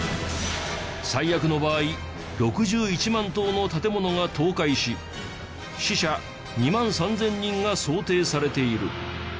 最悪の場合６１万棟の建物が倒壊し死者２万３０００人が想定されている。